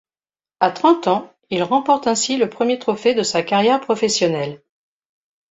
À trente ans, il remporte ainsi le premier trophée de sa carrière professionnelle.